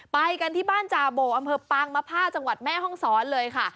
ไปกันที่บ้านจาโบอำเภอปางมภาจังหวัดแม่ห้องศรเลยค่ะ